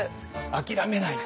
諦めない。